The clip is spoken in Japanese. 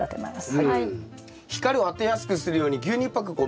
はい。